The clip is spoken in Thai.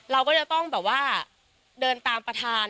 เราก็จะต้องแบบว่าเดินตามประธาน